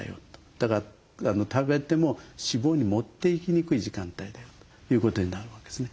だから食べても脂肪に持っていきにくい時間帯だよということになるわけですね。